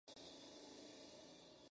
A ello viene dedicando los últimos años.